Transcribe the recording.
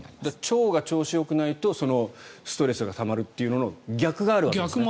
腸が調子がよくないとストレスがたまるという逆もあるんですね。